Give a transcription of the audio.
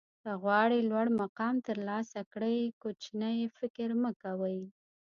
که غواړئ لوړ مقام ترلاسه کړئ کوچنی فکر مه کوئ.